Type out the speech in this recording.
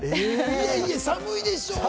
いえいえ、寒いでしょ？